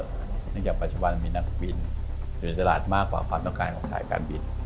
เนื่องจากปัจจุบันมีนักบินอยู่ในตลาดมากกว่าความต้องการของสายการบิน